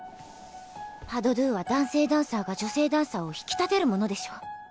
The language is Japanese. パ・ド・ドゥは男性ダンサーが女性ダンサーを引き立てるものでしょ。